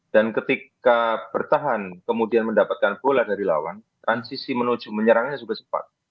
dan ketika bertahan kemudian mendapatkan bola dari lawan transisi menuju menyerangnya juga cepat